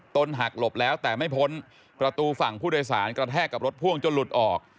หักหลบแล้วแต่ไม่พ้นประตูฝั่งผู้โดยสารกระแทกกับรถพ่วงจนหลุดออก